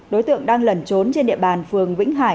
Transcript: đối tượng đang lẩn trốn trên địa bàn phường vĩnh hải